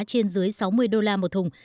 trên dưới sáu mươi đô la một thùng